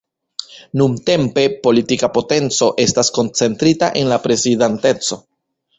Nuntempe, politika potenco estas koncentrita en la Prezidanteco.